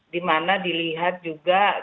dimana dilihat juga jenderal andika perkasa